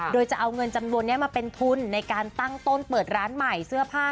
โดยจะเอาเงินจำนวนนี้มาเป็นทุนในการตั้งต้นเปิดร้านใหม่เสื้อผ้า